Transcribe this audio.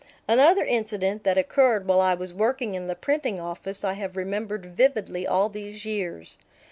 Another incident that occurred while I was working in the printing office I have remembered vividly all these years.